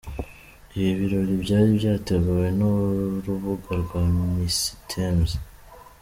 Ibi birori byari byateguwe n’urubuga rwa Missitems.